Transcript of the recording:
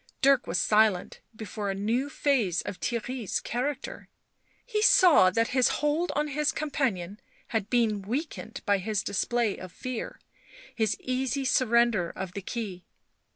Dirk was silent before a new phase of Theirry's character ; he saw that his hold on his companion had been weakened by his display of fear, his easy surrender of the key.